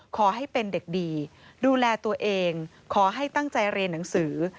ขอให้เป็นเด็กดีดูแลตัวเองขอให้ตั้งใจเรียนหนังสือ